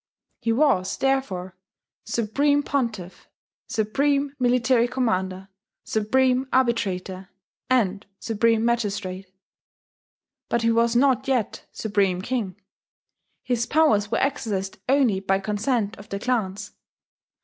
He was, therefore, Supreme Pontiff, Supreme Military Commander, Supreme Arbitrator, and Supreme Magistrate. But he was not yet supreme king: his powers were exercised only by consent of the clans.